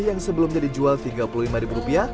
yang sebelumnya dijual rp tiga puluh lima